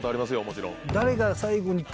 もちろん。